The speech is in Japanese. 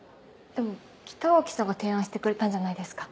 でも北脇さんが提案してくれたんじゃないですか。